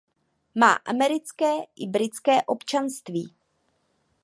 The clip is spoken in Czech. Má americké i britské občanství.